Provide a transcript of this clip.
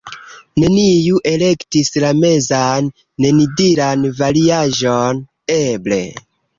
neniu elektis la mezan, nenidiran variaĵon "eble".